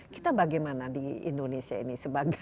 kita bagaimana di indonesia ini